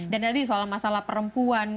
dan itu di soal masalah perempuan